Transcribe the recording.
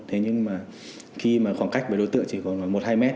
thế nhưng mà khi mà khoảng cách với đối tượng chỉ còn khoảng một hai mét